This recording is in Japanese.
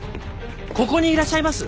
ここにいらっしゃいます。